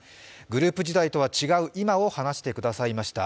グループ時代とは違う今を話してくださいました。